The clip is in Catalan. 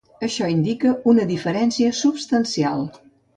Això indica una diferència substancial.